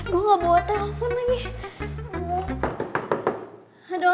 gue gak ngerti gak bisa dibukanya